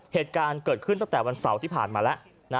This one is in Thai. เหตุการณ์เกิดขึ้นตั้งแต่วันเสาร์ที่ผ่านมาแล้ว